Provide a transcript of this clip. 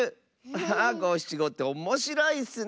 アハごしちごっておもしろいッスね。